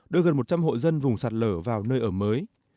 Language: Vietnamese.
đưa gần một trăm linh hộ dân vùng sạt lở vào nơi ở mới